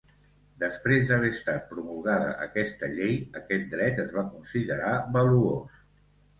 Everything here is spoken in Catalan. Després d'haver estat promulgada aquesta llei, aquest dret es va considerar valuós.